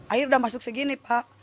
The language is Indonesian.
air udah masuk segini pak